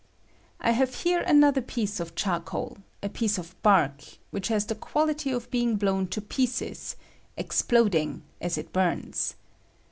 I have here another piece of charcoal, a piece of bark, which has the quality I of being blown to pieces — exploding — as it burns.